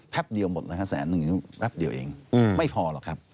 เดียวหมดแล้วฮะแสนหนึ่งแป๊บเดียวเองไม่พอหรอกครับ